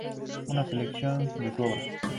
Una selección de su obra